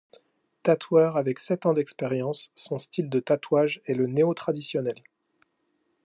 Tatoueur avec sept ans d'expérience, son style de tatouage est le néo-traditionnel.